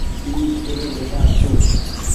اي ڪيرو ٻيٽآ هيتو ۔